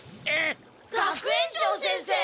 学園長先生！